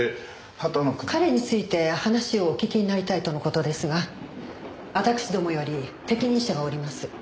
彼について話をお聞きになりたいとの事ですが私どもより適任者がおります。